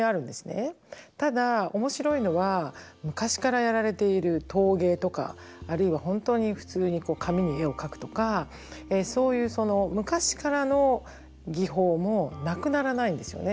ただ面白いのは昔からやられている陶芸とかあるいは本当に普通に紙に絵を描くとかそういう昔からの技法もなくならないんですよね。